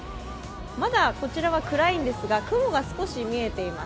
まだこちらは暗いんですが、雲が少し見えています。